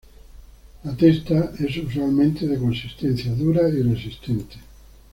La testa es usualmente de consistencia dura y resistente.